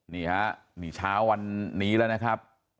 นี่ฮะนี่เช้าวันนี้แล้วนะครับ